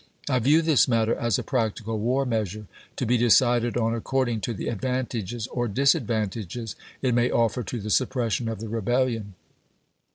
I view this matter as a practical war measure, to be decided on according to the advantages or disadvantages it may offer to the suppression of the Re bellion.